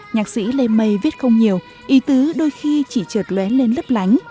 nhạc sĩ lê mây viết không nhiều y tứ đôi khi chỉ trượt lén lên lấp lánh